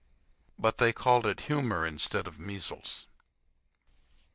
But they called it humor instead of measles.